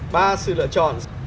ba sự lựa chọn